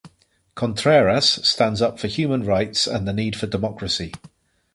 Contreras stands up for human rights and the need for democracy.